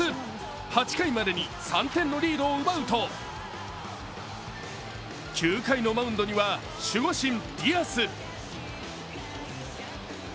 ８回までに３点のリードを奪うと９回のマウンドには、守護神・ディアス。